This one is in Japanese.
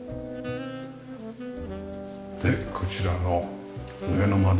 でこちらの上の窓。